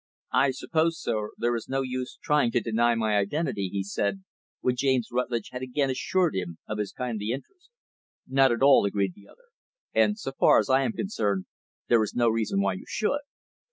"I suppose, sir, there is no use trying to deny my identity," he said, when James Rutlidge had again assured him of his kindly interest. "Not at all," agreed the other, "and, so far as I am concerned, there is no reason why you should."